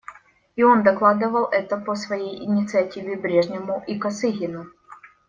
И он докладывал это по своей инициативе Брежневу и Косыгину.